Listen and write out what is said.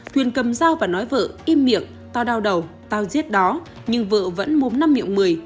tuyền cầm dao và nói vợ im miệng tao đau đầu tao giết đó nhưng vợ vẫn mốm năm miệng một mươi